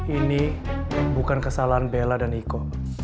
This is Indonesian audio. ini bukan kesalahan bella dan iko